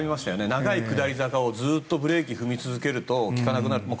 長い下り坂をずっとブレーキ踏み続けると利かなくなるって。